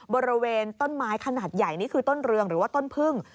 บริเวณต้นไม้ขนาดใหญ่นี่คือต้นเรืองหรือว่าต้นพึ่ง